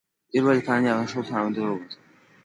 პირველი ქალი აღნიშნულ თანამდებობაზე.